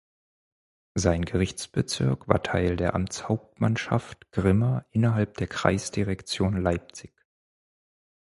Sein Gerichtsbezirk war Teil der Amtshauptmannschaft Grimma innerhalb der Kreisdirektion Leipzig.